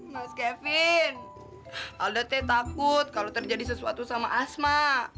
mas kevin olednya takut kalau terjadi sesuatu sama asma